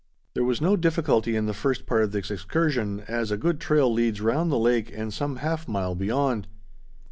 There was no difficulty in the first part of this excursion, as a good trail leads round the lake and some half mile beyond.